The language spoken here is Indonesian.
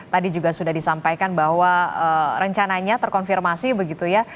tadi juga sudah disampaikan bahwa rencananya terkonfirmasi begitu ya